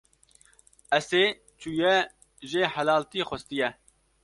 Esê çûye jê helaltî xwestiye